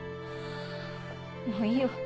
もういいよ。